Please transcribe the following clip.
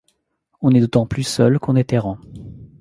On est d’autant plus seul qu’on est errant.